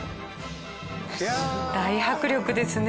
大迫力ですね。